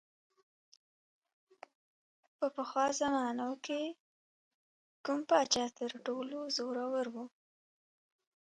The existence of a mapping with the properties of a functional calculus requires proof.